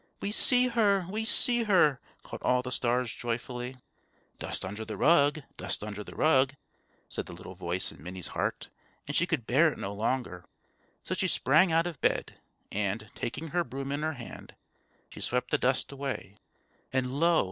"We see her! we see her!" called all the stars joyfully. "Dust under the rug! dust under the rug!" said the little voice in Minnie's heart, and she could bear it no longer. So she sprang out of bed, and, taking her broom in her hand, she swept the dust away; and lo!